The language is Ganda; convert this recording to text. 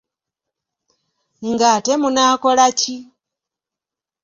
Ng’ate munaakola ki?